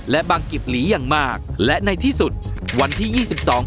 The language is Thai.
และบังกิบหลีอย่างมากและในที่สุดวันที่ยี่สิบสอง